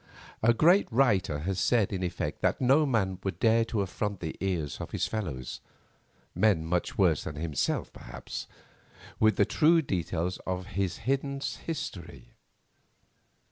A great writer has said in effect that no man would dare to affront the ears of his fellows—men much worse than himself perhaps—with the true details of his hidden history.